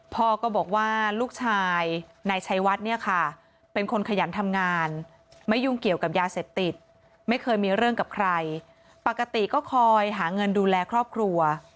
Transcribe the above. พ่อก็บอกว่าลูกชายนายชัยวัดเนี่ยค่ะเป็นคนขยันทำงานไม่ยุ่งเกี่ยวกับยาเสพติดไม่เคยมีเรื่องกับใครปกติก็คอยหาเงินดูแลครอบครัว